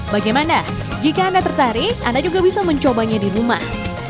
bagaimana jika anda tertarik anda juga bisa mencobanya di rumah